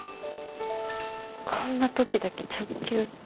こんな時だけ直球って。